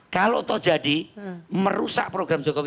kalau toh jadi merusak program jokowi